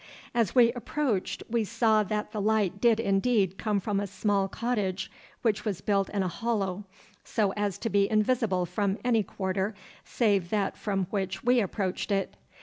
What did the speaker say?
As we approached we saw that the light did indeed come from a small cottage, which was built in a hollow, so as to be invisible from any quarter save that from which we approached it.